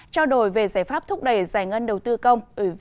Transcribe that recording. trao đổi về giải pháp thúc đẩy giải ngân đầu tư công